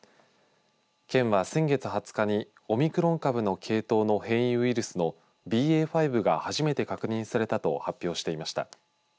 県は、先月２０日にオミクロン株の系統の変異ウイルスのＢＡ．５が初めて確認されたと発表していました。